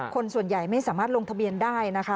คนส่วนใหญ่ไม่สามารถลงทะเบียนได้นะคะ